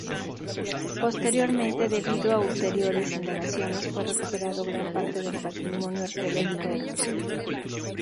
Posteriormente, debido a ulteriores indagaciones, fue recuperado gran parte del patrimonio arqueológico del museo.